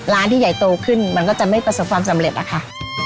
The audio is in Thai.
ที่ใหญ่โตขึ้นมันก็จะไม่ประสบความสำเร็จอะค่ะ